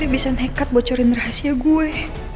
bisa nekat bocorin rahasia gue